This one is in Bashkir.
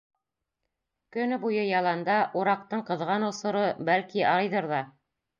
Көнө буйы яланда, ураҡтың ҡыҙған осоро, бәлки, арыйҙыр ҙа.